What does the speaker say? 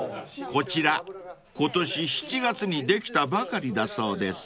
［こちら今年７月にできたばかりだそうです］